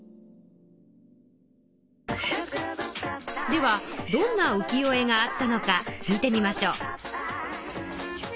ではどんな浮世絵があったのか見てみましょう。